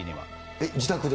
えっ、自宅で？